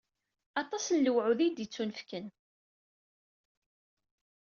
Aṭas n lewɛud i d-yettunefken.